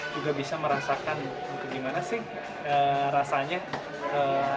juga bisa merasakan gimana sih rasanya